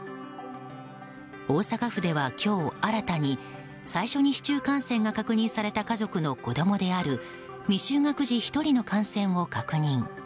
大阪府では今日新たに最初に市中感染が確認された家族の子供である未就学児１人の感染を確認。